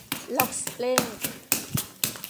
ล็อกซเล่ย์